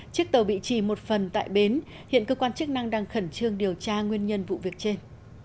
chiếc tàu bị trì một phần tại bến hiện cơ quan chức năng đang khẩn trương điều tra nguyên nhân vụ việc trên